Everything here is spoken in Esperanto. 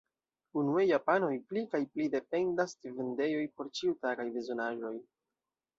Unue, japanoj pli kaj pli dependas de vendejoj por ĉiutagaj bezonaĵoj.